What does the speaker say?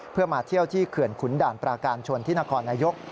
เพื่อมาเที่ยวที่เขื่อนขุนด่านปราการชนที่นครนายก